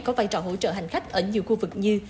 có vai trò hỗ trợ hành khách ở nhiều khu vực như